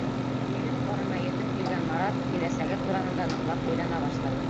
Егет ҡорона етеп килгән Марат киләсәге тураһында ныҡлап уйлана башлай.